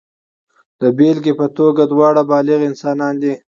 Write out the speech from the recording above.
د بېلګې په توګه دواړه بالغ انسانان دي.